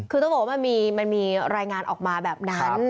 คือต้องบอกว่ามันมีรายงานออกมาแบบนั้น